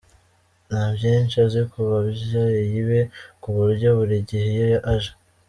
Nta byinshi azi ku babyeyi be ku buryo buri gihe iyo aje.